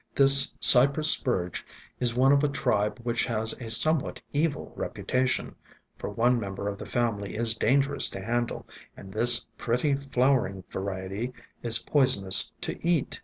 This Cypress Spurge is one of a tribe which has a somewhat evil reputa tation, for one member of the family is dangerous to handle, and this pretty flowering variety is poisonous to eat.